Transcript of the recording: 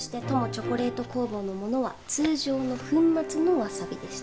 チョコレート工房のものは通常の粉末のわさびでした。